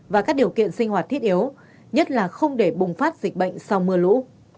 và các điều kiện sinh hoạt thiết yếu nhất là không để bùng phát dịch bệnh sau mưa lũ